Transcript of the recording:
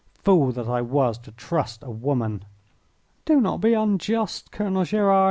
Fool that I was to trust a woman!" "Do not be unjust, Colonel Gerard.